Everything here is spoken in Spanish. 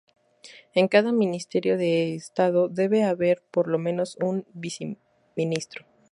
En cada Ministerio de Estado debe haber por los menos un viceministro.